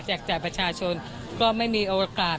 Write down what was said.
แจกประชาชนก็ไม่มีโอกาส